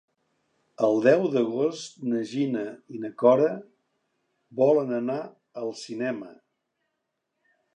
El deu d'agost na Gina i na Cora volen anar al cinema.